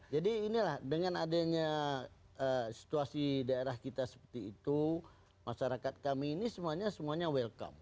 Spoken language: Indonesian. jadi inilah dengan adanya situasi daerah kita seperti itu masyarakat kami ini semuanya welcome